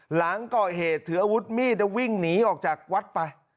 หลังก่อเหตุถืออาวุธมีดแล้ววิ่งหนีออกจากวัดไป